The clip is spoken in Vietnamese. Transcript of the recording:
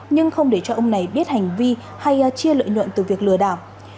nhưng không để cho ông này biết hành vi hay chia lợi nhuận từ việc lừa đảo